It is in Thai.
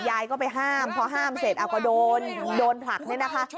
ยายก็ไปห้ามเพราะห้ามเสร็จโดนผลักนี่นะคะ